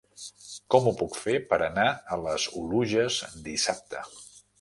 Com ho puc fer per anar a les Oluges dissabte?